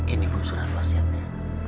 ini pun surat wasiatnya